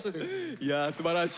いやすばらしい。